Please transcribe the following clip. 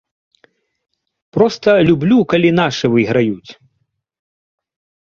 Проста люблю, калі нашы выйграюць.